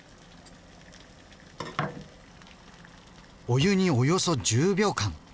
お湯におよそ１０秒間。